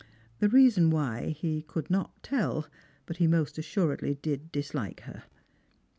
The reason why he could not tell, but he most assuredly did dislike her.